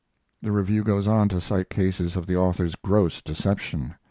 The review goes on to cite cases of the author's gross deception.